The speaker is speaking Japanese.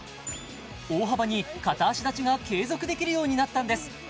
大幅に片足立ちが継続できるようになったんです